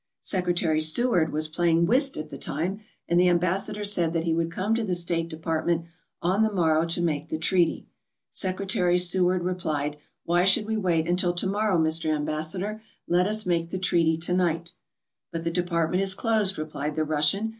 Secretary Seward was playing whist at the time and the Ambassador said that he would come to the State Department on the morrow to make the treaty. Secre tary Seward replied: "Why should we wait until to 39 ALASKA OUR NORTHERN WONDERLAND morrow, Mr. Ambassador? Let us make the treaty to night/' "But the department is closed/' replied the Russian.